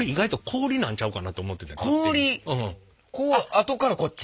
あとからこっち？